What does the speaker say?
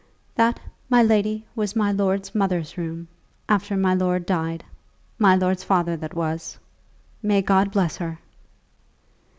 "That, my lady, was my lord's mother's room, after my lord died, my lord's father that was; may God bless her."